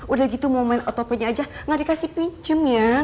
udah gitu mau main otopnya aja gak dikasih pincem ya